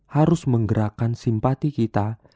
harus menggerakkan simpati kita